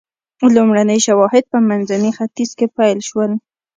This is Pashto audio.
لومړني شواهد په منځني ختیځ کې پیل شول.